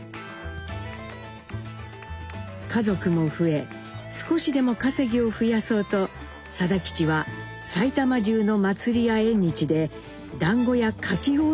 家族も増え少しでも稼ぎを増やそうと定吉は埼玉中の祭りや縁日でだんごやかき氷を売り始めます。